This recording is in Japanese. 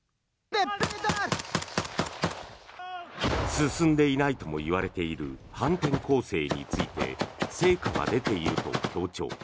進んでいないともいわれている反転攻勢について成果が出ていると強調。